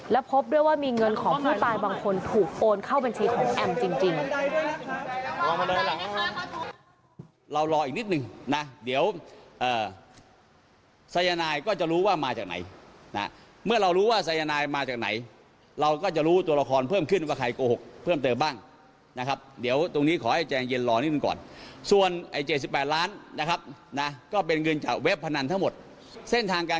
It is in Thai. และพบด้วยว่ามีเงินของผู้ตายบางคนถูกโอนเข้าบัญชีของแอมจริง